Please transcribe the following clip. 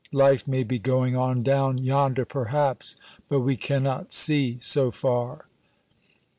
Life may be going on down yonder perhaps, but we cannot see so far.